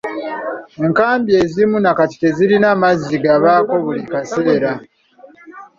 Enkambi ezimu na kati tezirina mazzi gabaako buli kaseera.